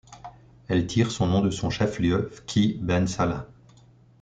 Elle tire son nom de son chef-lieu, Fquih Ben Salah.